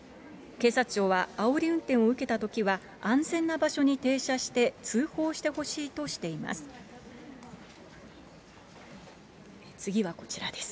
警察庁はあおり運転を受けたときは、安全な場所に停車して、通報してほしいとしています。